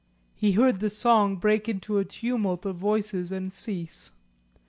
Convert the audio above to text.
He heard the song break into a tumult of voices and cease.